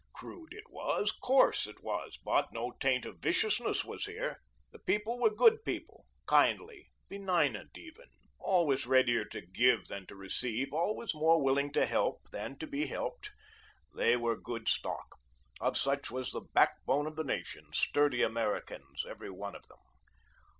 Crude it was; coarse it was, but no taint of viciousness was here. These people were good people, kindly, benignant even, always readier to give than to receive, always more willing to help than to be helped. They were good stock. Of such was the backbone of the nation sturdy Americans everyone of them.